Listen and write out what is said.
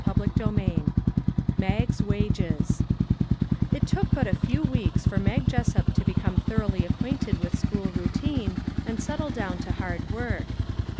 3 2 4 CHAPTER XXI MAG'S WAGES IT took but a few weeks for Mag Jessup to become thoroughly acquainted with school routine and settle down to hard work.